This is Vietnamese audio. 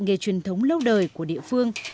nghề truyền thống lâu đời của địa phương